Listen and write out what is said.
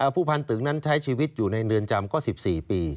ผู้พันตึงนั้นใช้ชีวิตอยู่ในเรือนจำก็๑๔ปี